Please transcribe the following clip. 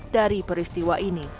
dari peristiwa ini